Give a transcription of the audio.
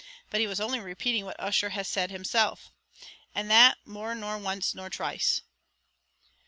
but he was only repating what Ussher has said hisself, and that more nor once nor twice."